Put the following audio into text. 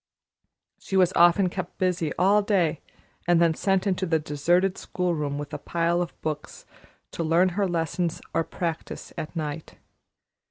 She was often kept busy all day and then sent into the deserted school room with a pile of books to learn her lessons or practise at night.